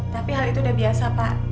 tapi hal itu udah biasa pak